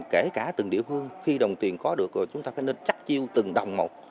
kể cả từng địa phương khi đồng tiền có được rồi chúng ta phải nên chắc chiêu từng đồng một